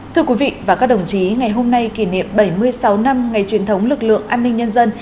thưa quý vị và các đồng chí ngày hôm nay kỷ niệm bảy mươi sáu năm ngày truyền thống lực lượng an ninh nhân dân